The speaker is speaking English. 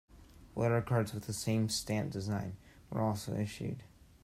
Letter Cards with the same "Stamp" design were also issued.